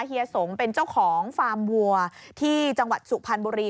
เฮียสงเป็นเจ้าของฟาร์มวัวที่จังหวัดสุพรรณบุรี